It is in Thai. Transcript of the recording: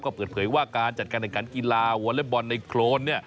ก็เปิดเผยว่าการจัดการแห่งขันกีฬาวอเล็กบอลในโครน